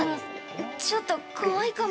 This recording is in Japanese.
◆ちょっと怖いかも。